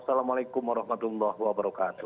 wassalamualaikum warahmatullahi wabarakatuh